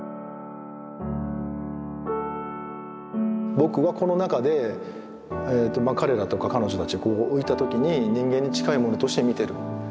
僕はこの中で彼らとか彼女たちこう置いた時に人間に近いものとして見てる。